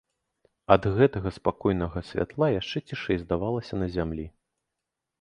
Ад гэтага спакойнага святла яшчэ цішэй здавалася на зямлі.